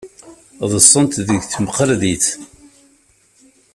Ḍḍsent deg temkarḍit.